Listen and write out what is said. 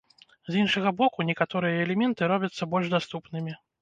З іншага боку, некаторыя элементы робяцца больш даступнымі.